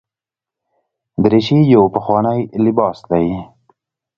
دریشي یو پخوانی لباس دی.